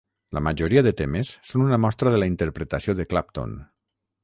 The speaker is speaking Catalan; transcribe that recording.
La majoria de temes són una mostra de la interpretació de Clapton.